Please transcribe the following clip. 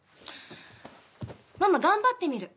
ママ頑張ってみる。